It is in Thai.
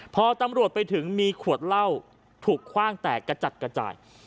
พอตำรวจไปถึงมีขวดเหล้าถูกคว่างแตกกระจัดกระจาย